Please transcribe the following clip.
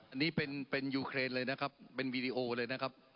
อันนี้เป็นเป็นยูเครนเลยนะครับเป็นวีดีโอเลยนะครับ